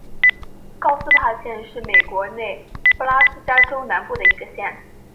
高斯帕县是美国内布拉斯加州南部的一个县。